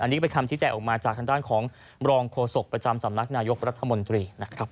อันนี้เป็นคำชี้แจงออกมาจากทางด้านของรองโฆษกประจำสำนักนายกรัฐมนตรีนะครับ